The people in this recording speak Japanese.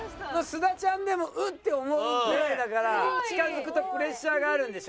須田ちゃんでもうっ！って思うぐらいだから近付くとプレッシャーがあるんでしょう。